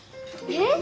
えっ？